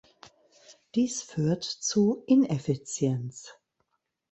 Dies führt zu Ineffizienz.